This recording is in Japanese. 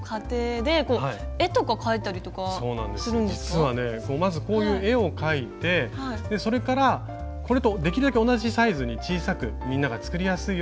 実はねまずこういう絵を描いてそれからこれとできるだけ同じサイズに小さくみんなが作りやすいように作りました。